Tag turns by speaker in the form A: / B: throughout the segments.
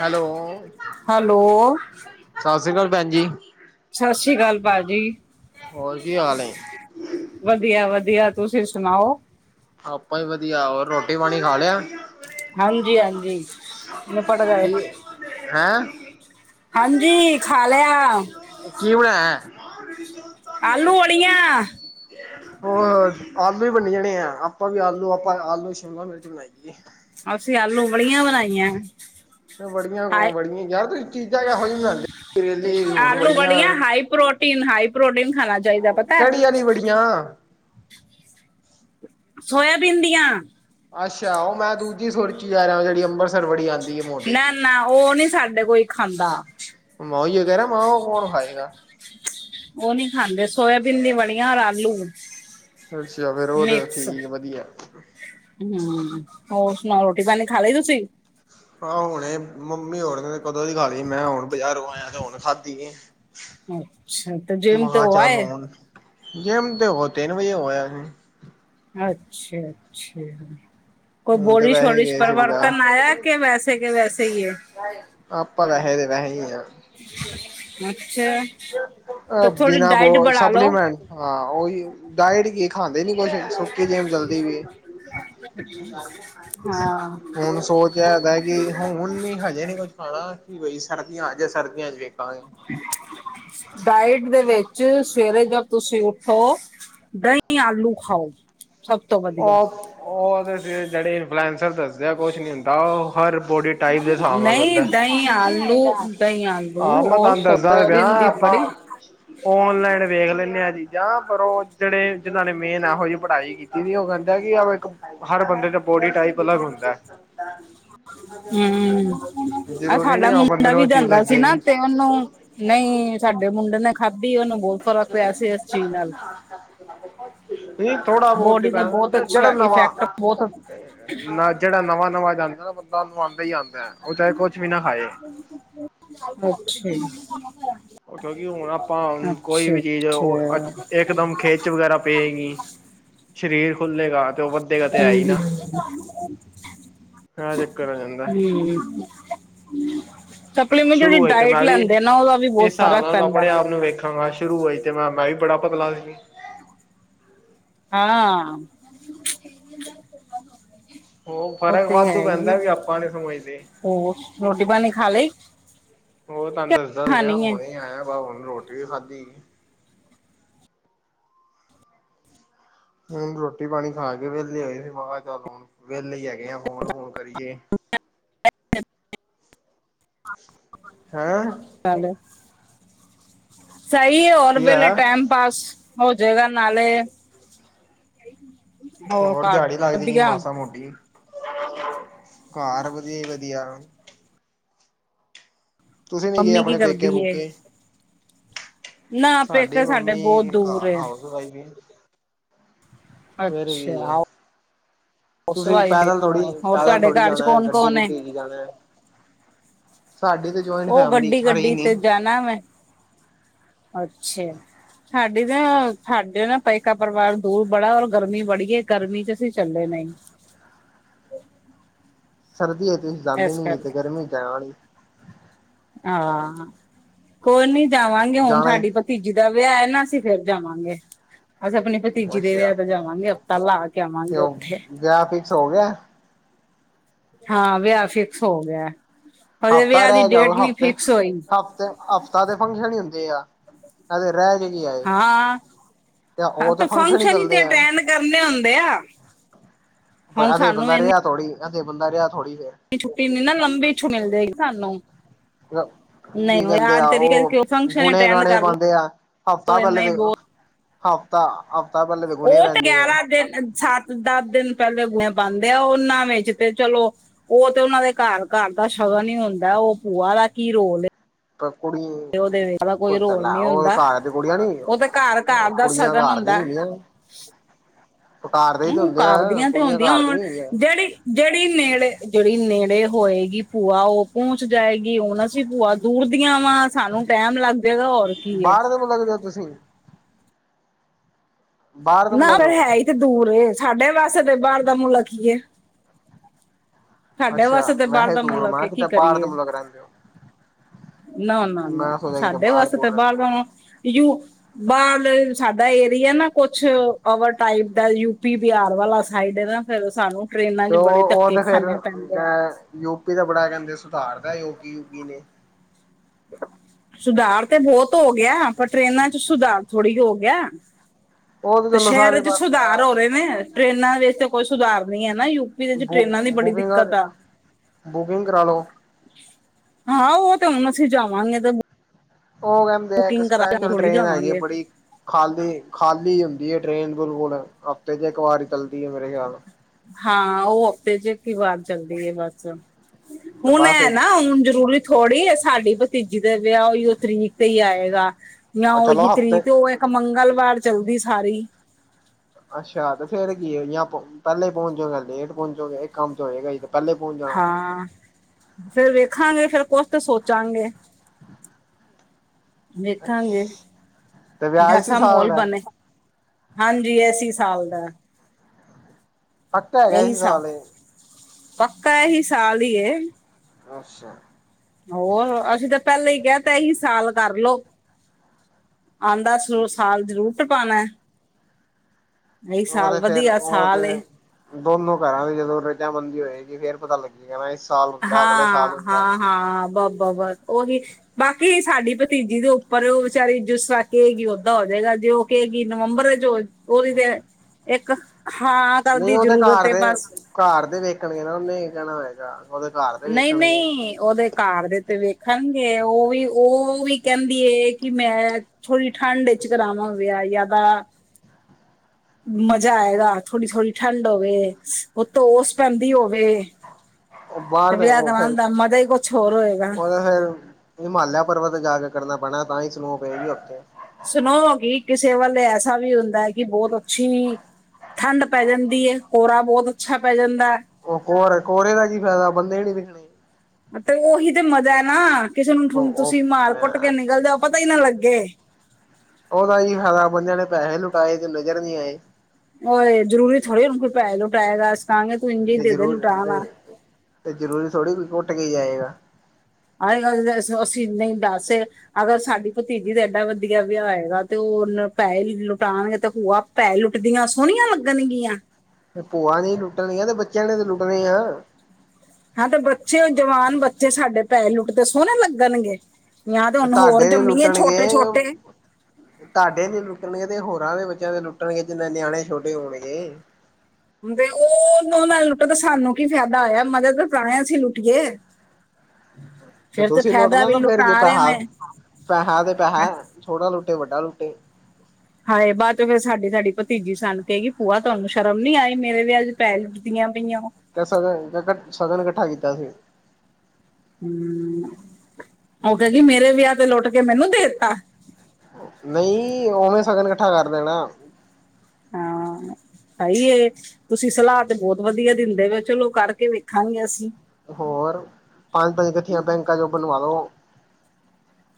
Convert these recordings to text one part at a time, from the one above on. A: Hello
B: hello
A: ਸਤਿ ਸ਼੍ਰੀ ਅਕਾਲ ਭੈਣ ਜੀ।
B: ਸਸਰੀਕਾਲ ਭਾਜੀ।
A: ਹੋਰ ਕੀ ਹਾਲ ਏ?
B: ਵਧੀਆ-ਵਧੀਆ, ਤੁਸੀਂ ਸੁਣਾਓ?
A: ਆਪਾ ਵੀ ਵਧੀਆ, ਹੋਰ, ਰੋਟੀ-ਪਾਣੀ ਖਾ ਲਿਆ?
B: ਹਾਂਜੀ-ਹਾਂਜੀ ਨਿਪਟ ਗਏ।
A: ਕੀ ਹੈਂ?
B: ਹਾਂਜੀ, ਖਾਲਿਆ।
A: ਕੀ ਬਣਾਇਆ ਐ?
B: ਆਲੂ ਵੜੀਆਂ।
A: ਹੋਰ, ਆਲੂ ਹੀ ਬੰਨਈ ਜਾਣੇ ਆ ਆਪਾਂ ਵੀ ਆਲੂ, ਆਪਾਂ ਆਲੂ ਸ਼ਿਮਲਾ ਮਿਰਚ ਬਣਾਈ ਸੀ।
B: ਅਸੀਂ ਆਲੂ ਬੜੀਆਂ ਬਣਾਈਆਂ।
A: ਵੜੀਆਂ ਹੋਰ
B: ਹਾਈ
A: ਵੜੀਆਂ, ਯਾਰ ਤੁਸੀ ਚੀਜ਼ਾਂ ਕਿਹੋ ਜਿਹੀ ਬਨਾਂਦੇ ਕਰੇਲੇ ਹੋਣ ਵੜੀਆਂ।
B: ਟੀਨ, ਹਾਈ ਪ੍ਰੋਟੀਨ ਖਾਣਾ ਚਾਹੀਦਾ ਪਤਾ ਐ।
A: ਕਿਹੜੀ ਵਾਲੀ ਵੜੀਆਂ?
B: ਸੋਇਆਬੀਨ ਦੀਆਂ।
A: ਅੱਛਾ, ਉਹ ਮੈਂ ਦੂਜੀ ਸੁਰਚੀ ਜਾ ਰਿਹਾਂ, ਜਿਹੜੀ ਅੰਬਰਸਰ ਵੜੀਆਂ।
B: ਨਾ-ਨਾ, ਉਹ ਨੀ ਸਾਡੇ ਕੋਈ ਖਾਂਦਾ।
A: ਮੌ ਈ ਅਗੈਰਾ, ਮੌ ਕੌਣ ਖਾਏਗਾ?
B: ਉਹ ਨੀ ਖਾਂਦੇ, ਸੋਇਆਬੀਨ ਦੀ ਵੜੀਆਂ ਔਰ ਆਲੂ।
A: ਅੱਛਾ, ਫੇਰ ਉਹ ਤੇ ਠੀਕ ਵਧੀਆ।
B: ਹੂੰ, ਹੋਰ ਸੁਣਾਓ ਰੋਟੀ-ਪਾਣੀ ਖਾਲੀ ਤੁਸੀ?
A: ਆ ਹੁਣੇ ਮੰਮੀ ਹੋਰਾ ਨੇ ਕਦੋਂ ਦੀ ਖਾ ਲਈ, ਮੈਂ ਹੁਣ ਬਜ਼ਾਰੋਂ ਆਇਆ ਤੇ ਹੁਣ ਖਾਦੀ ਏ।
B: ਅੱਛਾ ਜਿਮ ਤੋ ਹੋ ਆਏ।
A: ਜੇਮ ਤੇ ਹੋ ਤਿੰਨ ਵਜੇ ਹੋ ਆਇਆ।
B: ਅੱਛਾ ਅੱਛਾ। ਕੋਈ
A: ਹੁਣ ਤੇ
B: ਬੋਲੀ
A: ਵੈਸੇ
B: ਛੋਲੀ ਚ
A: ਗਏ ਸੀ
B: ਪਰਿਵਰਤਨ ਆਇਆ
A: ਬਾਜ਼ਾਰ
B: ਕੇ ਵੈਸੇ ਕੇ ਵੈਸੇ ਈ ਆ।
A: ਆਪਾਂ ਵੈਸੇ ਦੇ ਵੈਸੇ ਈ ਆ। ਅ
B: ਥੋੜੀ
A: ਬਿਨਾਂ
B: ਡਾਈਟ
A: ਬਹੁ
B: ਬਣਾ ਲਓ
A: ਸਪਲੀਮੈਂਟ ਹਾਂ ਉਹੀ ਡਾਇਟ ਕੀ ਖਾਂਦੇ ਨੀ ਕੁਛ ਸੁੱਕੀ ਜਿਮ ਜਲਦੀ ਵੀ
B: [unintelligible] ਹਾਂ
A: ਹੁਣ ਸੋਚ ਇਹਦਾ ਕੀ ਹੁਣ ਨੀ ਹਜੇ ਨੀ ਕੁਛ ਖਾਣਾ ਬਈ ਸਰਦੀਆਂ ਆਜੇ ਸਰਦੀਆਂ ਚ ਵੇਖਾਂਗੇ।
B: ਡਾਇਟ ਦੇ ਵਿੱਚ ਸਵੇਰੇ ਜਦ ਤੁਸੀਂ ਉੱਠੋ ਦਈ ਆਲੂ ਖਾਓ। ਸਭ ਤੋਂ ਵਧੀਆ
A: ਉਹ ਉਹਦੇ ਜਿ ਡੈਡੀ ਫਲੂਸਰੇ ਦੱਸ ਆ ਕੁਛ ਨ ਹੁੰਦਾ ਉਹ ਹਰ ਬੋਡੀ ਟਾਇਪ ਦੇ ਸਾਬ ਨਾਲ
B: ਨਹੀਂ
A: ਹੁੰਦਾ
B: ਆਲੂ ਦਹੀਂ ਆਲੂ
A: ਆ ਮੈਂ
B: ਔਰ
A: ਤੁਆਨੂੰ ਦਸਦਾ ਪਿਆ
B: ਸੋਇਆਬੀਨ ਦੀ
A: ਆਪਾਂ।
B: ਬੜੀ
A: ਔਨਲਾਈਨ ਵੇਖ ਲੈਂਨੇ ਆ ਚੀਜ਼ਾਂ ਪਰ ਉਹ ਜਿਹੜੇ ਜਿਨਾਂ ਨੇ ਮੇਨ ਇਹੋ ਜਿਹੀ ਪੜ੍ਹਾਈ ਕੀਤੀ ਦੀਦੀ ਉਹ ਕਹਿੰਦਾ ਆ ਕੀ ਹਰ ਬੰਦੇ ਦਾ ਬੋਡੀ ਟਾਇਪ ਅਲੱਗ ਹੁੰਦਾ।
B: ਹਮ ਆ
A: ਜ਼ਰੂਰੀ ਨੀ
B: ਸਾਡਾ
A: ਆਓ ਬੰਦੇ
B: ਮੁੰਡਾ
A: ਨੂੰ
B: ਵੀ
A: ਉਹ ਚੀਜ਼
B: ਜਾਂਦਾ ਸੀ ਨਾ
A: ਲੱਗੇਗੀ।
B: ਤੇ ਉਨੂੰ ਨਹੀਂ ਸਾਡੇ ਮੁੰਡੇ ਨੇ ਖਾਧੀ ਉਨੂੰ ਬੋਹ ਫਰਕ ਪਿਆ ਸੀ ਇਸ ਚੀਜ਼ ਨਾਲ
A: ਨਹੀਂ ਥੋੜਾ ਬੌਤ ਜਿੜਾ ਨਵਾ ਨਾ ਜਿਹੜਾ ਨਵਾਂ ਨਵਾਂ ਜਾਂਦਾ ਨਾ ਬੰਦਾ ਨ ਆਂਦਾ ਈ ਆਂਦਾ ਉਹ ਚਾਹੇ ਕੁਛ ਵੀ ਨਾ ਖਾਏ।
B: ਅੱਛਿਆ ਜੀ
A: ਕਿਉਂਕਿ ਹੁਣ ਆਪਾਂ ਕੋਈ ਵੀ ਚੀਜ਼
B: ਅੱਛਾ
A: ਉਹ ਇਕ ਦਮ ਖਿਚ ਵਗੈਰਾ ਪਏਗੀ ਸਰੀਰ ਖੁੱਲੇਗਾ ਤੇ ਉਹ ਤੇ ਹੈ ਹੀ ਨਾ
B: ਹੂੰ
A: ਇਹ ਚੱਕਰ ਹੋ ਜਾਂਦਾ
B: ਹੂੰ ਹੂੰ
A: ਸ਼ੁਰੂ ਹੋਈ ਤੇ ਮੈਂ ਵੀ
B: ਬਹੁਤ
A: ਇਸ ਸਾਬ
B: ਫਰਕ
A: ਨਾਲ
B: ਪੈਂਦਾ
A: ਆਪਣੇ ਆਪ ਨੂੰ ਵੇਖਾਂਗਾ ਸ਼ੁਰੂ ਹੋਈ ਤੇ ਮੈਂ ਮੈਂ ਵੀ ਬੜਾ ਪਤਲਾ ਸੀ
B: ਹਾਂ ਉਹ
A: ਫ਼ਰਕ
B: ਤੇ
A: ਵਾਧੂ
B: ਹੈ ਈ ਏ
A: ਪੈਂਦਾ ਵੀ ਆਪਾਂ ਨੀ ਸਮਝਦੇ
B: ਹੋਰ ਰੋਟੀ ਪਾਣੀ ਖਾ ਲਈ
A: ਹੋਰ ਤੁਆਨੂੰ ਦੱਸਦਾ ਤਾ ਪਿਆ
B: ਖਾਣੀ ਹੈ
A: ਹਣੇ ਆਇਆ ਵ ਹਣ ਰੋਟੀ ਵੀ ਖਾਧੀ। ਹੁਣ ਰੋਟੀ ਪਾਣੀ ਖਾ ਕੇ ਵਿਹਲੇ ਹੋਏ ਸੀ ਮੈਂ ਕਿਹਾ ਚੱਲ ਹੁਣ ਵਿਹਲੇ ਹੀ ਹੈਗੇ ਆ ਫੋਨ ਫੋਨ ਕਰੀਏ ਹੈਂ
B: ਚਲ ਸਹੀ ਔਰ
A: ਕੀ
B: ਵੇਲੇ
A: ਹੋਇਆ
B: ਟਾਈਮ ਪਾਸ ਹੋ ਜੇਗਾ ਨਾਲੇ
A: ਹੋਰ
B: ਘਰ
A: ਦਿਆੜੀ ਲੱਗਦੀ ਜ
B: ਵਧੀਆ
A: ਮਾਸਾ ਮੋਟੀ ਘਰ ਵਧੀਆ ਈ ਵਧੀਆ। ਤੁਸੀਂ ਨੀ ਗਏ
B: ਮੰਮੀ ਕੀ
A: ਆਪਣੇ ਪੇਕੇ
B: ਕਰਦੀ ਏ
A: ਪੂਕੇ
B: ਨਾ ਪੇਕੇ ਸਾਡੇ ਬੋਹ ਦੂਰ ਏ।
A: ਬਾਈ ਗਏ
B: ਅੱਛਿਆ
A: ਏ ਤੁਸੀਂ ਪੈਦਲ ਥੋੜੀ
B: ਹੋਰ
A: ਪੈਦਲ
B: ਤੁਹਾਡੇ
A: ਥੋੜ੍ਹੀ
B: ਘਰ ਚ
A: ਜਾਣਾ
B: ਕੌਣ
A: ਗੱਡੀ
B: ਕੌਣ ਹੈ
A: ਗੁੱਡੀ ਚ ਜਾਣਾ ਸਾਡੇ ਤੇ ਜੁਆਇੰਟ
B: ਉਹ
A: ਫੈਮਿਲੀ
B: ਗੱਡੀ
A: ਸਾਰੇ ਹੀ
B: ਗੱਡੀ
A: ਨੇ
B: ਤੇ ਜਾਣਾ ਮੈਂ ਅੱਛਿਆ। ਸਾਡੀ ਨਾ ਸਾਡੇ ਨਾ ਪੈਕਾ ਪਰਿਵਾਰ ਦੂਰ ਬੜਾ ਔਰ ਗਰਮੀ ਬੜੀ ਗਰਮੀ ਚ ਅਸੀਂ ਚੱਲੇ ਨਈ
A: ਸਰਦੀ ਹੈ ਤੇ ਜਾਂਦੇ
B: ਇਸ
A: ਨੀ ਤੇ
B: ਕਰਕੇ
A: ਗਰਮੀ ਜਾਣਾ ਨੀ
B: ਆਹ, ਕੋਈ ਨੀ ਜਾਵਾਂਗੇ ਹੁਣ
A: ਜਾਣਾ ਹੀ
B: ਸਾਡੀ ਭ ਭਤੀਜੀ ਦਾ ਵਿਆਹ ਹੈ ਨਾ ਅਸੀਂ ਫਿਰ ਜਾਵਾਂਗੇ, ਅਸੀਂ ਆਪਣੀ ਭਤੀਜੀ ਦੇ ਵਿਆਹ
A: ਅੱਛਾ
B: ਤੇ ਜਾਵਾਂਗੇ ਅਬ ਹਫਤਾ ਲਾ ਕੇ
A: ਤੇ
B: ਆਵਾਂਗੇ
A: ਉਹ
B: ਉੱਥੇ।
A: ਵਿਆਹ ਫਿਕਸ ਹੋ ਗਿਆ?
B: ਹਾਂ ਵਿਆਹ ਫਿਕਸ ਹੋ ਗਿਆ, ਹਜੇ
A: ਹਫ਼ਤਾ
B: ਵਿਆਹ ਦੀ ਡੇਟ ਨੀ ਫਿਕਸ ਹੋਈ।
A: ਹਫਤਾ ਦੇ ਫੰਕਸ਼ਨ ਹੀ ਹੁੰਦੇ ਆ, ਨਾਲੇ ਰਹਿ ਕੇ ਕੀ ਆਏ
B: ਹਾਂ ਹਾਂ, ਤੇ ਫੰਕਸ਼ਨ ਹੀ ਤੇ ਅਟੈਂ ਕਰਨੇ ਹੁੰਦੇ ਆ। ਹੁਣ
A: ਵਿਆਹ ਤੇ
B: ਸਾਨੂੰ
A: ਬੰਦਾ ਰਿਹਾ ਥੋੜੀ, ਇਹਨਾਂ ਦੇ ਬੰਦਾ ਰਿਹਾ ਥੋੜੀ ਹੈ
B: ਇਕ ਛੁੱਟੀ ਨੀ ਨਾ ਲੰਬੀ, ਇਥੋੰ ਮਿਲ ਜਾਏਗੀ ਸਾਨੂੰ
A: ਚ ਕੀ
B: ਨਹੀਂ ਉਹ
A: ਕਹਿੰਦੇ ਆ
B: ਅੱਜ ਤਰੀਕੇ
A: ਉਹ,
B: ਕਿਉਂ ਫੰਕਸ਼ਨ
A: ਗੁਣੇ
B: ਅਟੈਂਡ
A: ਗਾਣੇ
B: ਕਰ
A: ਬਣਦੇ ਆ, ਹਫ਼ਤਾ
B: ਲਓ
A: ਪਹਿਲੇ
B: ਇੰਨਾ ਹੀ
A: ਤੇ
B: ਬਹੁਤ
A: ਹਫ਼ਤਾ, ਹਫ਼ਤਾ ਪਹਿਲੇ ਤੇ ਗੁਣੇ ਰਹਿੰਦੇ ਆਂ
B: ਫੇਰ ਸਾਤ ਦਸ ਦਿਨ ਪਹਿਲੇ ਗੁਣੇ ਬਣਦੇ ਆ, ਉਹਨਾਂ ਵਿਚ ਤੇ ਚਲੋ ਉਹ ਤੇ, ਉਹਨਾਂ ਦੇ ਘਰ, ਘਰ ਦਾ ਸ਼ਗਨ ਹੀ ਹੁੰਦਾ ਏ, ਉਹ ਭੂਆ ਦਾ ਕੀ ਰੋਲ ਹੈ
A: ਪਰ ਕੁੜੀ,
B: ਦਾ ਕੋਈ
A: ਘੁਟ
B: ਰੋਲ ਨਹੀਂ
A: ਲਾਓ, ਉਹ
B: ਹੁੰਦਾ
A: ਘਰ ਦੀਆਂ ਕੁੜੀਆਂ ਨੀ,
B: ਉਹ ਤੇ ਘਰ ਘਰ ਦਾ
A: ਕੁੜੀਆਂ
B: ਸ਼ਗਨ
A: ਘਰ ਦੀਆਂ
B: ਹੁੰਦਾ
A: ਹੁੰਦੀਆਂ [inaudible] ਘਰ ਦੇ ਹੀ
B: ਨਹੀ
A: ਤੇ
B: ਉਹ
A: ਹੁੰਦੇ
B: ਘਰ
A: ਆ
B: ਦੀਆਂ ਤੇ
A: ਕੁੜੀਆਂ
B: ਹੁੰਦੀਆ
A: ਘਰ
B: ਹੁਣ,
A: ਦੀਆਂ ਹੈਗੀਆਂ
B: ਜੇੜੀ ਜੇੜੀ ਨੇੜੇ, ਜੇੜੀ ਨੇੜੇ ਹੋਏਗੀ ਭੂਆ, ਉਹ ਪਹੁੰਚ ਜਾਏਗੀ ਹੁਣ ਅਸੀ ਭੂਆ ਦੂਰ ਦੀਆਂ ਵਾ, ਸਾਨੂੰ ਟੈਮ ਲੱਗ ਜਾਏਗਾ ਹੋਰ ਕੀ ਏ
A: ਲੱਗਦੇ ਹੋ ਤੁਸੀਂ ਬਾਹਰ ਦੇ
B: ਨਾ
A: ਮੁਲਕ
B: ਫੇਰ
A: ਹੋ
B: ਹੈ ਹੀ ਦੂਰ ਏ, ਸਾਡੇ ਵਾਸਤੇ ਬਾਹਰ ਦਾ ਮੁਲਕ ਹੀ ਏ ਸਾਡੇ
A: ਅੱਛਾ
B: ਵਾਸਤੇ ਤੇ ਬਾਹਰ
A: ਵੈਸੇ
B: ਦਾ
A: ਦੂਰ
B: ਮੁਲਕ
A: ਮੈਂ
B: ਏ, ਕੀ
A: ਕਿਤੇ ਬਾਹਰ ਦੇ
B: ਕਰੀਏ।
A: ਮੁਲਕ ਰਹਿੰਦੇ ਹੋ
B: ਨਾ- ਨਾ- ਨਾ
A: ਮੈਂ ਸੋਚਿਆ ਕਿਤੇ
B: ਸਾਡੇ
A: ਬਾਹਰ
B: ਵਾਸਤੇ ਤਾਂ
A: ਬੂਰ ਰਹਿੰਦੇ
B: ਬਾਹਰਲਾ
A: ਹੋ
B: ਹਮ ਯੂ ਬਾਹਰਲੇ, ਸਾਡਾ ਏਰੀਆ ਨਾ ਕੁਛ, ਓਵਰ ਟਾਈਪ ਦਾ ਯੂਪੀ ਬਿਹਾਰ ਵਾਲਾ ਸਾਈਡ ਏ ਨਾ ਫੇਰ ਸਾਨੂੰ ਟ੍ਰੇਨਾਂ
A: ਤੇ
B: 'ਚ ਬੜੇ
A: ਉਹ, ਉਹ
B: ਧੱਕੇ
A: ਤੇ ਫੇਰ
B: ਖਾਣੇ ਪੈਂਦੇ ਆ
A: ਕਹਿ, ਯੂਪੀ ਦਾ ਬੜਾ ਕਹਿੰਦੇ ਸੁਧਾਰਦਾ ਯੋਗੀ, ਯੂਗੀ ਨੇ
B: ਸੁਧਾਰ ਤੇ ਬਹੁਤ ਹੋ ਗਿਆ, ਪਰ ਟ੍ਰੇਨਾਂ 'ਚ ਸੁਧਾਰ ਥੋੜ੍ਹੀ ਹੋ ਗਿਆ
A: ਉਹ
B: ਤੇ
A: ਚਲੋ
B: ਸ਼ਹਿਰ
A: ਸਾਰੇ
B: 'ਚ
A: ਪਾਸੇ ਆ
B: ਸੁਧਾਰ ਹੋ ਰਹੇ ਨੇ, ਟ੍ਰੇਨਾਂ ਵਿਚ ਤੇ ਕੋਈ ਸੁਧਾਰ ਨੀ ਨਾ ਯੂ ਯੂਪੀ ਦੇ ਵਿਚ
A: ਬੁ
B: ਟ੍ਰੇਨਾਂ ਦੀ ਬੜੀ
A: ਬੁਕਿੰਗ
B: ਦਿੱਕਤ ਆ
A: ਬੁਕਿੰਗ ਕਰਾ ਲਓ।
B: ਹਾਂ ਉਹ ਤੇ ਹੁਣ ਅਸੀ ਜਾਵਾਂਗੇ ਤੇ
A: ਉਹ ਕਹਿੰਦੇ ਏ ਇੱਕ
B: ਬੁਕਿੰਗ ਕਰਾ ਕੇ
A: ਸਪੈਸ਼ਲ
B: ਥੋੜੀ
A: ਟ੍ਰੇਨ ਹੈਗੀ
B: ਜਾਵਾਂਗੇ
A: ਬੜੀ ਖਾਲੀ, ਖਾਲੀ ਹੁੰਦੀ ਹੈ ਟ੍ਰੇਨ ਬਿਲਕੁਲ, ਹਫ਼ਤੇ 'ਚ ਇੱਕ ਵਾਰੀ ਚੱਲਦੀ ਹੈ ਮੇਰੇ ਖਿਆਲ
B: ਹਾਂ ਉਹ ਹਫ਼ਤੇ 'ਚ ਇਕ ਈ ਵਾਰ ਚੱਲਦੀ ਐ ਬਸ।
A: ਤੇ
B: ਹੁਣ
A: ਬਸ
B: ਹੈ ਨਾ ਹੁਣ ਜ਼ਰੂਰੀ ਥੋੜੀ ਐ, ਸਾਡੀ ਭਤੀਜੀ ਦੇ ਵਿਆਹ ਉਹੀ ਤਰੀਕ ਤੇ ਹੀ ਆਏਗਾ, ਜਾਂ
A: ਚਲੋ
B: ਉਹੀ
A: ਹਫ਼ਤੇ
B: ਤਰੀਕ ਉਹ ਇਕ ਮੰਗਲਵਾਰ ਚੱਲਦੀ ਸਾਰੀ
A: ਅੱਛਾ, ਤੇ ਫਿਰ ਕੀ, ਜਾਂ ਪਹਿਲੇ ਹੀ ਪਹੁੰਚੋਗੇ ਜਾਂ ਲੇਟ ਪਹੁੰਚੋਗੇ, ਇਕ ਕੰਮ ਤੇ ਹੋਏਗਾ ਹੀ ਪਹਿਲੇ ਪਹੁੰਚ ਜਾਣਾ
B: ਹਾਂ, ਫਿਰ ਵੇਖਾਂਗੇ ਫੇਰ ਕੁਛ ਤੇ ਸੋਚਾਂਗੇ। ਵੇਖਾਂਗੇ,
A: ਤੇ ਵਿਆਹ ਇਸੀ
B: ਜੈਸਾ
A: ਸਾਲ
B: ਮਾਹੌਲ
A: ਦਾ
B: ਬਣੇ। ਹਾਂਜੀ ਐਸੀ ਸਾਲ ਦਾ
A: ਪੱਕਾ ਹੈਗਾ
B: ਇਹੀ
A: ਇਸ
B: ਸਾ,
A: ਸਾਲ ਇਹ
B: ਪੱਕਾ ਐਹੀ ਸਾਲ ਈ ਏ।
A: ਅੱਛਾ
B: ਹੋਰ ਅਸੀਂ ਤਾਂ ਪਹਿਲਾਂ ਹੀ ਕਹਿ ਤਾ ਇਹੀ ਸਾਲ ਕਰ ਲਓ। ਆਦਾ ਉਸਨੂੰ ਸਾਲ ਜ਼ਰੂਰ ਟਪਾਣਾ।
A: ਉਹ ਤੇ ਫੇਰ ਉਹ
B: ਸਾਲ ਏ
A: ਤੇ, ਦੋਨੋ ਘਰਾਂ ਦੀ ਜਦੋਂ ਰਜਾ ਮੰਦੀ ਹੋਏਗੀ ਫੇਰ ਪਤਾ ਲੱਗੇ। ਇਸ ਸਾਲ
B: ਹਾਂ, ਹਾਂ-ਹਾਂ ਬ ਬ ਬੱਸ ਉਹੀ ਬਾਕੀ ਸਾਡੀ ਭਤੀਜੀ ਦੇ ਉੱਪਰ ਉਹ ਵਿਚਾਰੀ ਜਿਸ ਤਰ੍ਹਾਂ ਕਹੇਗੀ ਓਦਾਂ ਹੋ ਜਾਏਗਾ ਜੇ ਉਹ ਕਹੇਗੀ ਨਵੰਬਰ ਏ ਜੋ, ਉਹਦੀ ਤੇ, ਇੱਕ ਹਾਂ ਕਰਨ
A: ਨਹੀਂ
B: ਦੀ
A: ਉਹਦੇ
B: ਜ਼ਰੂਰਤ
A: ਘਰ
B: ਏ
A: ਦੇ
B: ਬਸ।
A: ਘਰ ਦੇ ਵੇਖਣ ਗਏ ਨਾ ਉਹਨੇ ਕੀ ਕਹਿਣਾ ਹੋਏਗਾ। ਉਹਦੇ ਘਰ ਦੇ ਵੇਖਣਗੇ।
B: ਨਹੀਂ-ਨਹੀਂ ਉਹਦੇ ਘਾਰ ਦੇ ਤੇ ਵੇਖਣਗੇ ਉਹ ਵੀ ਉਹ ਵੀ ਕਹਿੰਦੀ ਏ ਕਿ ਮੈਂ ਥੋੜੀ ਠੰਡ 'ਚ ਕਰਾਵਾਂ ਵਿਆਹ ਜਾਂ ਤਾਂ
A: [inaudible]
B: ਮਜ਼ਾ ਆਏਗਾ ਥੋੜ੍ਹੀ-ਥੋੜ੍ਹੀ ਠੰਡ ਹੋਵੇ, ਉਹ ਓਸ ਪੈਂਦੀ ਹੋਵੇ।
A: ਉਹ ਬਾਹਰ
B: ਤੇ
A: ਦੇ
B: ਵਿਆਹ
A: ਉਹ
B: ਕਰਾਉਣ
A: ਫਿਰ,
B: ਦਾ ਮਜ਼ਾ ਹੀ ਕੁਛ ਹੋਰ ਹੋਏਗਾ
A: ਉਹਦਾ ਫੇਰ ਹਿਮਾਲਿਆ ਪਰਵਤ ਜਾ ਕੇ ਕਰਨਾ ਪੈਣਾ ਤਾਂ ਹੀ ਸਨੋ ਪਏਗੀ ਉੱਥੇ।
B: ਸੁਣੋਗੀ ਕਿਸੇ ਵੱਲ ਐਸਾ ਵੀ ਹੁੰਦਾ ਹੈ ਕਿ ਬਹੁਤ ਅੱਛੀ ਠੰਡ ਪੈ ਜਾਂਦੀ ਏ ਕੋਰਾ ਬਹੁਤ ਅੱਛਾ ਪੈ ਜਾਂਦਾ।
A: ਉਹ ਕੋਰ ਕੋਹਰੇ ਦਾ ਕੀ ਫਾਇਦਾ ਬੰਦੇ ਨੀ ਦੀਖਣੇ।
B: ਤੇ ਉਹੀ ਤੇ ਮਜ਼ਾ ਐ ਨਾ ਕਿਸੇ ਨੂੰ
A: ਉਹ
B: ਤੁਸੀਂ ਮਾਰ
A: ਮੈਂ
B: ਕੁੱਟ ਕੇ ਨਿਕਲ ਜਾਓ ਪਤਾ ਈ ਨਾ ਲੱਗੇ।
A: ਉਹਦਾ ਕੀ ਫਾਇਦਾ ਬੰਦਿਆਂ ਨੇ ਪੈਸੇ ਲੁਟਾਏ ਤੇ ਨਜ਼ਰ ਨੀ ਆਏ।
B: ਉਹ ਇਹ ਜ਼ਰੂਰੀ ਥੋੜੀ ਹੁਣ ਕੋਈ ਪੈਸੇ ਲੁਟਾਏਗਾ ਅਸੀਂ ਕਹਾਂਗੇ ਤੂੰ ਇੰਨੇ ਹੀ
A: ਤੇ
B: ਦੇ ਦੇ
A: ਜ਼ਰੂਰ
B: ਲੁਟਾ
A: ਤੇ
B: ਨਾ।
A: ਤੇ ਜ਼ਰੂਰੀ ਥੋੜ੍ਹੀ ਕੁੱਟ ਕੇ ਹੀ ਜਾਏਗਾ।
B: ਆਏਗਾ ਅਸੀਂ ਨਹੀਂ ਦਾਸੇ। ਅਗਰ ਸਾਡੀ ਭਤੀਜੀ ਦਾ ਐਡਾ ਵਧੀਆ ਵਿਆਹ ਹੈਏਗਾ ਤੇ ਉਹ ਪੈਸੇ ਲੁਟਾਉਣਗੇ ਤੇ ਭੂਆ ਪੈਹੇ ਲੁੱਟਦੀਆਂ ਸੋਹਣੀਆਂ ਲੱਗਣਗੀਆਂ।
A: ਭੂਆ ਨੇ ਈ ਲੁੱਟਣੀਆਂ ਤੇ ਬੱਚਿਆਂ ਨੇ ਤੇ ਲੁੱਟਣੇ ਈ ਆ।
B: ਹਾਂ ਤੇ ਬੱਚੇ ਜਵਾਨ ਬੱਚੇ ਸਾਡੇ ਪੈਰ ਲੁੱਟ ਤੇ ਸੋਹਣੇ ਲੱਗਣਗੇ। ਜਾਂ ਤੇ ਹੁਣ ਹੋਰ
A: ਤੁਹਾਡੇ ਨੀ
B: ਜੰਮੀਏ
A: ਲੁੱਟਣਗੇ
B: ਛੋਟੇ-ਛੋਟੇ।
A: ਤੁਹਾਡੇ ਨੀ ਲੁੱਟਣਗੇ ਤੇ ਹੋਰਾਂ ਦੇ ਬੱਚਿਆਂ ਦੇ ਲੁੱਟਣਗੇ ਜਿੰਨਾ ਨਿਆਣੇ ਛੋਟੇ ਹੋਣਗੇ।
B: ਤੇ ਉਹ ਦੇ ਨਾਲ ਲੁੱਟੋ ਤਾਂ ਸਾਨੂੰ ਕੀ ਫਾਇਦਾ ਹੋਇਆ ਮਜ਼ੇ ਤਾਂ ਏ ਅਸੀਂ ਲੁੱਟੀਏ।
A: ਤੇ
B: ਫਿਰ
A: ਤੁਸੀਂ ਲੁੱਟ
B: ਫਾਇਦਾ
A: ਲੋ
B: ਵੀ
A: ਨਾ ਫੇਰ
B: ਲੁਟਾ
A: ਕੀ
B: ਰਹੇ
A: ਪੈਹਾ,
B: ਨੇ
A: ਪੈਹਾ ਤੇ ਪੈਹਾ।
B: ਹੈਂ।
A: ਛੋਟਾ ਲੁੱਟੇ, ਵੱਡਾ ਲੁੱਟੇ।
B: ਹਾਏ ਬਾਅਦ 'ਚ ਫਿਰ ਸਾਡੀ ਸਾਡੀ ਭਤੀਜੀ ਸਾਨੂੰ ਕਹੇਗੀ ਭੂਆ ਤੁਹਾਨੂੰ ਸ਼ਰਮ ਨੀ ਆਈ ਮੇਰੇ ਵਿਆਹ 'ਚ ਪੈਸੇ ਲੁੱਟਦੀਆਂ ਪਈਆਂ ਓ।
A: ਕੇ ਸਗਨ-ਸਗਨ ਇਕੱਠਾ ਕੀਤਾ ਸੀ।
B: ਹੂੰ ਉਹ ਕਹੇਗੀ ਮੇਰੇ ਵਿਆਹ ਤੇ ਲੁੱਟ ਕੇ ਮੈਨੂੰ ਦੇ ਤਾ।
A: ਨਹੀਂ ਉਵੇਂ ਸਗਨ ਇਕੱਠਾ ਕਰ ਦੇਣਾ। [inaudible]
B: ਸਹੀ ਏ, ਤੁਸੀਂ ਸਲਾਹ ਤੇ ਬਹੁਤ ਵਧੀਆ ਦਿੰਦੇ ਪਏ ਓ ਚਲੋ ਕਰਕੇ ਵੇਖਾਂਗੇ ਅਸੀਂ।
A: ਹੋਰ, ਪੰਜ-ਪੰਜ ਇਕੱਠੀਆਂ ਬੈਂਕਾਂ ਜੋ ਬਣਵਾ ਲੋ?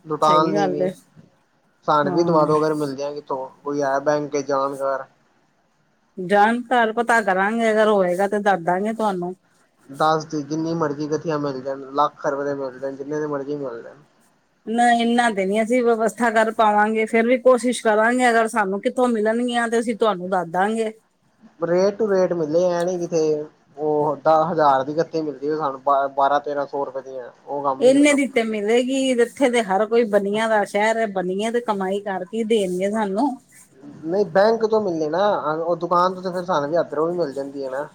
A: ਲੁਟਾਉਣ
B: ਸਹੀ
A: ਲਈ
B: ਗੱਲ
A: ਵੀ,
B: ਹੈ
A: ਸਾਡੇ ਵੀ ਦਵਾ
B: ਹਾਂ
A: ਦੋ ਅਗਰ ਮਿਲ ਜਾਏਗੇ। ਤੋ, ਕੋਈ ਹੈ ਬੈਂਕ ਕੇ ਜਾਣਕਾਰ।
B: ਜਾਣਕਾਰ ਪਤਾ ਕਰਾਂਗੇ ਅਗਰ ਹੋਏਗਾ ਤੇ ਦੱਸਦਾਂਗੇ ਤੁਹਾਨੂੰ।
A: ਦੱਸ ਦੀ ਜਿੰਨੀ ਮਰਜ਼ੀ ਗਥੀਆ ਮਿਲ ਜਾਣ ਲੱਖ ਰੁਪਏ ਦੇ ਮਿਲ ਜਾਣ ਜਿੰਨੇ ਦੇ ਮਰਜ਼ੀ ਮਿਲ ਜਾਣ।
B: ਨਾ ਇਹਨਾਂ ਤੇ ਨੀ ਅਸੀਂ ਵਿਵਸਥਾ ਕਰ ਪਾਵਾਂਗੇ ਫਿਰ ਵੀ ਕੋਸ਼ਿਸ਼ ਕਰਾਂਗੇ ਅਗਰ ਸਾਨੂੰ ਕਿੱਥੋਂ ਮਿਲਣਗੀਆਂ ਤੇ ਅਸੀਂ ਤੁਵਾਨੂੰ ਦੱਹਦਾਂ ਗੇ?
A: ਰੇਟ ਟੂ ਰੇਟ ਮਿਲੇਗਾ। ਐ ਨੀ ਕਿ ਇਥੇ ਉਹ ਦੱਹ ਹਜ਼ਾਰ ਦੀ ਗੱਧੀ ਮਿਲਦੀ। ਉਹ ਸਾਨੂੰ ਬਾ-ਬਾਰਾਂ ਤੇਰਾਂ ਸੋ ਰੁਪਏ ਦੀਆਂ
B: ਏਨੇ ਦੀ ਤੇ ਮਿਲੇਗੀ। ਇੱਥੇ ਦੇ ਹਰ ਕੋਈ ਬਨੀਆਂ ਦਾ ਸ਼ਹਿਰ ਐ। ਬਨੀਏ ਤੇ ਕਮਾਈ ਕਰਕੇ ਦੇਣਗੇ ਸਾਨੂੰ।
A: ਨਹੀਂ ਬੈਂਕ ਤੋਂ ਮਿਲਨੇ ਨਾ। ਉਹ ਦੁਕਾਨ ਤੋਂ ਤੇ ਫਿਰ ਸਾਨੂੰ ਵੀ ਅਦਰੋਂ ਵੀ ਮਿਲ ਜਾਂਦੀ ਐ ਨਾ।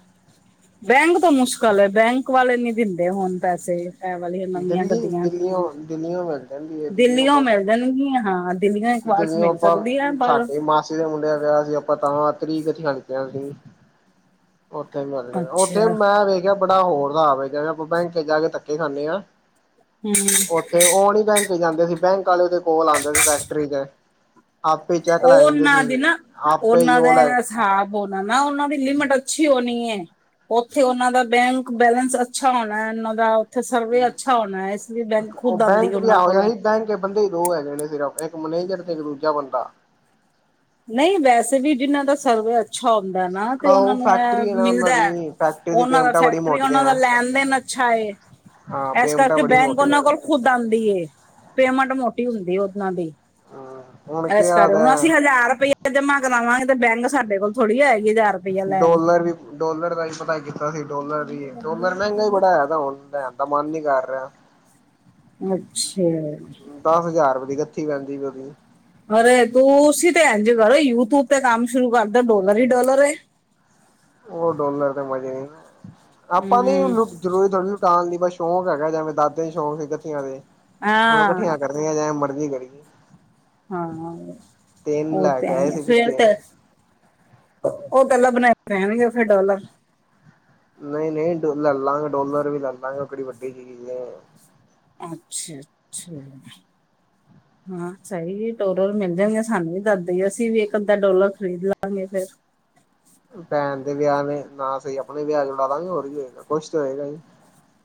B: ਬੈਂਕ ਤੋਂ ਮੁਸ਼ਕਲ ਐ। ਬੈਂਕ ਵਾਲੇ ਨੀ ਦਿੰਦੇ ਹੁਣ ਪੈਸੇ। ਐ ਵਾਲੀ ਹਿਰ ਨਵੀਆਂ
A: ਦਿੱਲੀ
B: ਗੱਡੀਆਂ।
A: ਦਿੱਲੀਓ ਦਿੱਲੀਓ ਮਿਲ ਜਾਂਦੀ ਹੈ
B: ਦਿੱਲੀਓ ਮਿਲ ਜਾਣਗੀਆਂ, ਹਾਂ। ਦਿੱਲੀਓ ਇਹ ਕਬਾੜ 'ਚ ਮਿਲ ਸਕਦੀਐ। ਪਰ
A: ਇਹ ਦਾ ਮੁੰਡੇ ਵਿਆਹ ਸੀ। ਆਪਾਂ ਤਾਂ ਤਰੀਕ ਇਥੇ ਦਾ ਰੱਖਿਆ ਸੀ। ਉੱਥੇ ਈ ਮਰਲੇਗਾ। ਉੱਥੇ
B: ਅੱਛਾ
A: ਮੈਂ ਵੇਖ ਵੇਖਿਆ, ਬੜਾ ਹੋਰ ਸਾਬ ਏ। ਜਿਵੇਂ ਆਪਾਂ ਬੈਂਕ 'ਚ ਜਾ ਕੇ ਧੱਕੇ ਖਾਂਨੇ ਆ
B: ਹਮ
A: ਉੱਥੇ, ਉਹ ਨੀ ਬੈਂਕ ਜਾਂਦੇ ਸੀ। ਬੈਂਕ ਆਲੇ ਉਹਦੇ ਕੋਲ ਆਉਂਦੇ ਸੀ। ਫੈ ਟਰੀ 'ਚ ਆਪੇ ਚੈੱਕ ਲੈ ਜਾਂਦੇ ਸੀ।
B: ਉਹਨਾਂ
A: ਆਪੇ ਈ ਉਹ ਲੈ
B: ਹੋਨਾ ਨਾ। ਉਹਨਾਂ ਦੀ ਲਿਮਿਟ ਅੱਛੀ ਹੋਨੀ ਏ। ਉੱਥੇ ਉਹਨਾਂ ਦਾ ਬੈਂਕ-ਬੈਲੇੈਂਸ ਅੱਛਾ ਹੋਣਾ, ਉਹਨਾਂ ਦਾ ਉੱਥੇ ਸਰਵੇ ਅੱਛਾ ਹੋਣਾ ਐ। ਇਸ ਲਈ ਬੈਂਕ
A: ਉਹ
B: ਖੁਦ ਆਂਦੀ
A: ਬੈਂਕ ਵੀ
B: ਉਹਨਾਂ
A: ਇਹੋ ਜਿਹਾ
B: ਕੋਲੋਂ
A: ਸੀ ਬੈਂਕ ਦੇ ਬੰਦੇ ਈ ਦੋ ਹੈਗੇ ਨੇ ਸਿਰਫ਼। ਇੱਕ ਮੇਨੇਜਰ ਤੇ ਇੱਕ ਦੂਜਾ ਬੰਦਾ।
B: ਨਹੀਂ ਵੈਸੇ ਵੀ ਜਿਹਨਾਂ ਦਾ ਸਰਵੇ ਅ ਅੱਛਾ ਹੁੰਦਾ ਨਾ ਤੇ ਉਹਨਾਂ
A: ਉਹ
B: ਨੂੰ ਐ
A: ਫੈਕਟਰੀ ਹੈ ਨਾ ਉਹਨਾਂ
B: ਮਿਲਦਾ।
A: ਦੀ ਫੈਕਟਰੀ ਦੀ
B: ਉਹਨਾਂ ਦਾ
A: ਪੇਮੈਂਟਾਂ ਬੜੀ
B: ਫੈਕਟਰੀ,
A: ਮੋਟੀਆਂ
B: ਉਹਨਾਂ ਦਾ
A: ਹੈ
B: ਲੈਣ-ਦੇਣ ਅੱਛਾ ਏ।
A: ਹਾਂ
B: ਇਸ
A: ਪੇਮੈਂਟਾਂ
B: ਕਰਕੇ
A: ਬੜੀ
B: ਬੈਂਕ
A: ਮੋਟੀਆਂ
B: ਉਹਨਾਂ ਕੋਲ ਖੁਦ ਆਂਦੀ ਏ। ਪੇਮੈਂਟ ਮੋਟੀ ਹੁੰਦੀ ਓਨਾਂ ਦੀ।
A: ਹਾਂ ਹੁਣ ਕੀ
B: ਐਸ ਕਰ
A: ਹਾਲ ਹੈ
B: ਹੁਣ ਅਸੀਂ ਹਜ਼ਾਰ ਰੁਪੀਆ ਜਮਾਂ ਕਰਾਨਾ ਏ ਤੇ ਬੈਂਕ ਸਾਡੇ ਕੋਲ਼ ਥੋੜ੍ਹੀ ਆਏਗੀ। ਹਜ਼ਾਰ ਰੁਪਇਆ ਲੈਣ
A: ਡੌਲਰ ਵੀ। ਡੌਲਰ ਦਾ ਈ ਪਤਾ ਕੀਤਾ ਸੀ। ਡੌਲਰ ਵੀ, ਡੌਲਰ ਮਹਿੰਗਾ ਹੀ ਬੜਾ ਹੋਇਆ ਦਾ ਹੁਣ। ਬੈ ਦਾ ਮਨ ਨੀ ਕਰ ਰਿਹਾ।
B: ਅੱਛਾ।
A: ਦਸ ਹਜ਼ਾਰ ਰੁਪਏ ਦੀ ਗੱਥੀ ਪੈਂਦੀ ਪ‌ਈ ਉਹਦੀ।
B: ਅਰੇ ਤੂੰ ਸੀ ਤੇ ਐਂਜ ਕਰੋ, ਯੂਟਿਊਬ ਤੇ ਕੰਮ ਸ਼ੁਰੂ ਕਰਦੋ। ਡੋਲਰ ਈ ਡੋਲਰ ਏ।
A: ਉਹ ਡੋਲਰ ਦੇ ਮਜ਼ੇ ਨੀ ਨਾ ਹੈ। ਆਪਾਂ ਨੀ ਊ
B: ਹਮ
A: ਲੁੱਟ ਜ਼ਰੂਰੀ ਥੋੜ੍ਹੀ ਨੀ ਲੁਟਾਣ ਦੀ। ਬਸ ਸ਼ੌਂਕ ਹੈਗਾ ਜਿਵੇਂ ਮੇਰੇ ਦਾਦੇ ਸ਼ੌਕ ਸੀ ਗੱਥੀਆਂ ਦੇ। ਉਹ
B: ਹਾਂ
A: ਇਕੱਠੀਆਂ ਕਰ ਉਹਨਾਂ ਦਾ ਮਰਜ਼ੀ ਕੜੀਏ
B: ਹਾਂ,
A: ਤਿੰਨ
B: ਉਹ
A: ਲੈ
B: ਤੇ
A: ਕੇ ਆਏ
B: ਐਂਈ ਐ।
A: ਸੀ
B: ਫੇਰ
A: ਪਿੱਛੇ
B: ਤੇ ਉਹ ਗੱਲਾ ਬਣਾਏ ਰਹਿਣਗੇ ਫਿਰ ਡੌਲਰ
A: ਨਹੀਂ-ਨਹੀਂ ਡ, ਲੈਲਾਂ ਗੇ, ਡੌਲਰ ਵੀ ਲੈਲਾਂ ਗੇ। ਉਹ ਕਿਹੜੀ ਵੱਡੀ ਚੀਜ਼ ਐ।
B: ਅੱਛਾ-ਅੱਛਾ।
A: [inaudible]
B: ਹਾਂ, ਸਹੀ ਏ। ਟੋਡਰ ਮਿਲ ਜਾਣਗੇ, ਸਾਨੂੰ ਵੀ ਦੱਸਦੇਈ। ਅਸੀਂ ਵੀ ਇੱਕ ਅੱਧਾ ਡੋਲਰ ਖ਼ਰੀਦ ਲਾਂਗੇ ਫੇਰ।
A: ਭੈਣ ਦੇ ਵਿਆਹ ਨੇ ਨਾ ਸਹੀ। ਆਪਣੇ ਵਿਆਹ 'ਚ ਓਡਾਦਾ ਗੇ। ਹੋਰ ਕੀ ਹੋਏਗਾ, ਕੁਛ ਤਾਂ ਹੋਏਗਾ ਈ।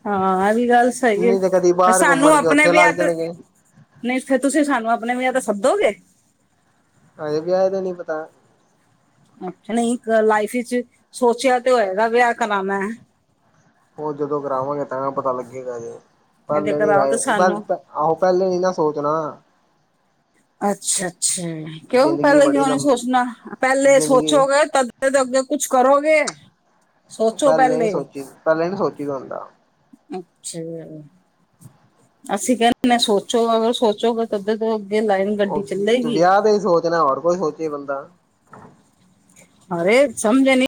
B: ਹਾਂ, ਐਹ ਵੀ ਗੱਲ ਸਹੀ ਐ।
A: ਕਦੀ
B: ਪਰ
A: ਬਾਹਰ
B: ਸਾਨੂੰ
A: ਘੁੰਮਣ ਕੇ
B: ਆਪਣੇ
A: ਉੱਥੇ ਲੱਗ
B: ਵਿਆਹ ਤੇ
A: ਜਾਣਗੇ
B: ਨਹੀਂ ਫੇਰ ਤੁਸੀਂ ਸਾਨੂੰ ਆਪਣੇ ਵਿਆਹ ਤੇ ਸੱਦੋਗੇ?
A: ਹਜੇ ਵਿਆਹ ਦਾ ਈ ਨੀ ਪਤਾ
B: ਕੁਛ ਨਹੀਂ, ਅ ਲਾਈਫ ਇਚ ਸੋਚਿਆ ਤੇ ਹੋਏਗਾ। ਵਿਆਹ ਕਰਾਂਣਾ ਐ।
A: ਉਹ ਜਦੋਂ ਕਰਾਵਾਂਗੇ ਤਾਂ ਪਤਾ ਲੱਗੇਗਾ ਵਿਆਹ
B: ਇਹਦੇ
A: ਪਹਿਲੇ ਨੀ
B: ਕਰਾਓ ਤੇ
A: ਰਾਏ। ਬਸ
B: ਸਾਨੂੰ
A: ਪ ਆਹੋ ਪਹਿਲੇ ਨੀ ਨਾ ਸੋਚਣਾ।
B: ਅੱਛਾ-ਅੱਛਾ, ਕਿਉਂ
A: ਜ਼ਿੰਦਗੀ
B: ਪਹਿਲੇ
A: ਬੜੀ
B: ਕਿਉਂ ਨੀ
A: ਲੰਬ
B: ਸੋਚਣਾ ਪਹਿਲੇ
A: ਜ਼ਿੰਦਗੀ
B: ਸੋਚੋਗੇ ਤ ਫਿਰ ਤੇ ਅੱਗੇ ਕੁਛ ਕਰੋਗੇ, ਸੋਚੋ
A: ਨੀ
B: ਪਹਿਲੇ।
A: ਸੋਚੀ ਪਹਿਲੇ ਨੀ ਸੋਚੀ ਦਾ ਹੁੰਦਾ।
B: ਅੱਛਾ, ਅਸੀਂ ਕਹਿੰਦੇ ਨੇ ਸੋਚੋ, ਅਗਰ ਸੋਚੋ ਅੱਗੇ ਲਾਇ
A: ਦੁਨੀਆ ਦਾ ਈ ਸੋਚਣਾ, ਹੋਰ ਕੋਈ ਸੋਚੇ ਬੰਦਾ।
B: ਅਰੇ, ਸਮਝ ਨੀ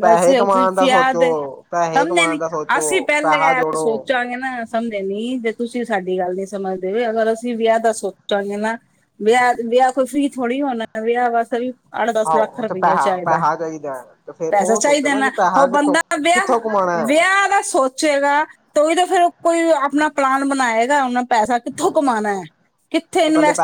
A: ਪੈਸੇ
B: ਅਸੀ ਅ
A: ਕਮਾਣ ਦਾ ਸੋਚੋ
B: ਫਿਆਦ ਏ,
A: ਪੈਸੇ
B: ਸਮਝਦੇ
A: ਕਮਾਣ
B: ਨੀ
A: ਦਾ ਸੋਚੋ
B: ਅਸੀਂ ਪਹਿਲੇ
A: ਪੈਹਾ
B: ਐ
A: ਜੋੜੋ।
B: ਸੋਚਾਂਗੇ ਨਾ ਸਮਝਦੇ ਨੀ, ਜੇ ਤੁਸੀਂ ਸਾਡੀ ਗੱਲ ਨੀ ਸਮਝਦੇ ਅਗਰ ਅਸੀ ਵਿਆਹ ਦਾ ਸੋਚਾਂਗੇ ਨਾ ਵਿਆਹ-ਵਿਆਹ ਕੋਈ ਫ੍ਰੀ ਥੋੜ੍ਹੀ ਹੋਣਾ, ਵਿਆਹ ਵਾਸਤੇ ਵੀ ਅੱਠ-ਦਸ ਲੱਖ
A: ਆਹੋ ਤੇ
B: ਰੁਪਈਆ
A: ਪੈਹਾ
B: ਚਾਹੀਦਾ,
A: ਪੈਹਾ ਚਾਹੀਦਾ ਤੇ ਫੇਰ
B: ਪੈਸਾ
A: ਉਹ ਸੋਚੋ
B: ਚਾਹੀਦਾ
A: ਕਿ
B: ਨਾ ਉਹ
A: ਪੈਹਾ ਕਿੱਥੋਂ
B: ਬੰਦਾ ਵਿਆਹ,
A: ਕਿੱਥੋਂ ਕਮਾਣਾ ਹੈ।
B: ਵਿਆਹ ਦਾ ਸੋਚੇਗਾ ਤੋ ਈ ਤਾਂ ਫੇਰ ਕੋਈ ਅਪਣਾ ਪਲਾਨ ਬਣਾਏਗਾ ਉਹਨਾਂ ਪੈਸਾ ਕਿੱਥੋਂ ਕਮਾਣਾ ਐ, ਕਿੱਥੇ
A: ਤੇ ਪਹਿਲੇ
B: ਇਨਵੈਸਟ